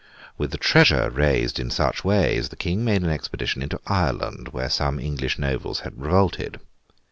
With the treasure raised in such ways, the King made an expedition into Ireland, where some English nobles had revolted.